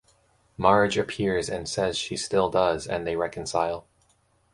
Marge appears and says she still does and they reconcile.